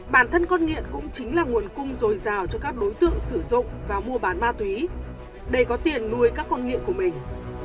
bản thân con nghiện cũng chính là nguồn cung dồi dào cho các đối tượng sử dụng và mua bán ma túy để có tiền nuôi các con nghiện của mình